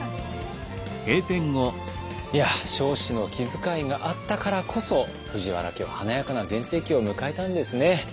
いや彰子の気遣いがあったからこそ藤原家は華やかな全盛期を迎えたんですね。